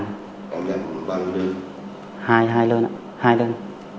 em nhận bao nhiêu đơn